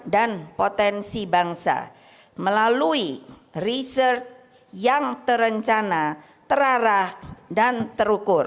dan potensi bangsa melalui riset yang terencana terarah dan terukur